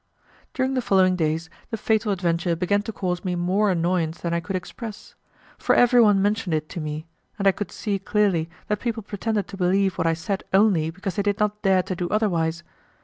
During the following days the fatal adventure began to cause me more annoyance than I could express, for everyone mentioned it to me, and I could see clearly that people pretended to believe what I said only because they did not dare to do otherwise.